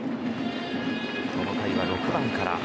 この回は６番から。